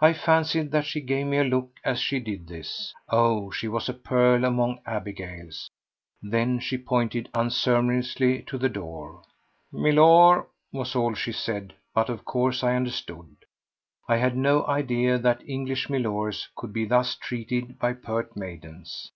I fancied that she gave me a look as she did this. Oh, she was a pearl among Abigails! Then she pointed unceremoniously to the door. "Milor!" was all she said, but of course I understood. I had no idea that English milors could be thus treated by pert maidens.